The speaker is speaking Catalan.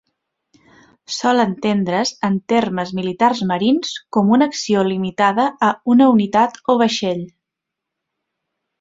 Sol entendre's, en termes militars marins, com una acció limitada a una unitat o vaixell.